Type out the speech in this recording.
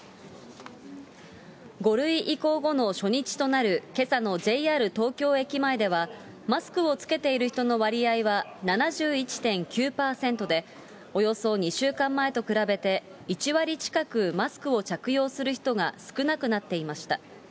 ５類移行後の初日となるけさのＪＲ東京駅前では、マスクを着けている人の割合は７１．９％で、およそ２週間前と比べて１割近くマスクを着用する人が少なくなっていました。